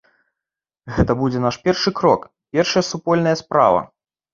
Гэта будзе наш першы крок, першая супольная справа.